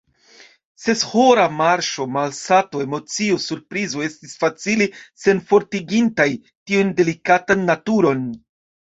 Seshora marŝo, malsato, emocio, surprizo, estis facile senfortigintaj tiun delikatan naturon.